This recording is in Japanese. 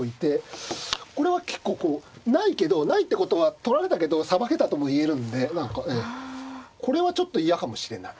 これは結構こうないけどないってことは取られたけどさばけたとも言えるんでこれはちょっと嫌かもしれない。